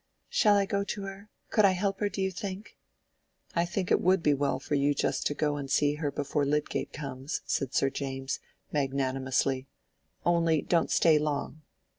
"Shall I go to her? Could I help her, do you think?" "I think it would be well for you just to go and see her before Lydgate comes," said Sir James, magnanimously. "Only don't stay long."